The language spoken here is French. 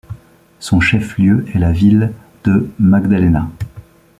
Son chef-lieu est la ville de Magdalena.